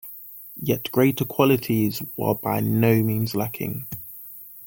Yet greater qualities were by no means lacking.